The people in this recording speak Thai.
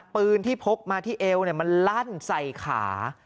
ปืนที่พกมาที่เอวมันลั่นใส่ขา